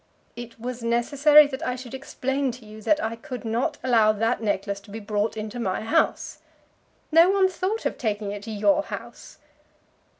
"It was necessary that I should explain to you that I could not allow that necklace to be brought into my house." "No one thought of taking it to your house."